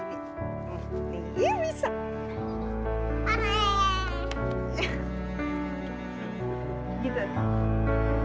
iya saya udah sekarang bobo ya